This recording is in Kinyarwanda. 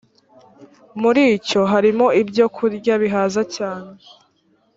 muri cyo harimo ibyokurya bihaza cyane